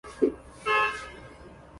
所以该译名并不准确。